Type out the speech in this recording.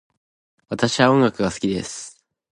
私は音楽が好きです。